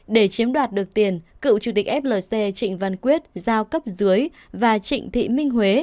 để chiếm đoạt được tiền cựu chủ tịch flc trịnh văn quyết giao cấp dưới và trịnh thị minh huế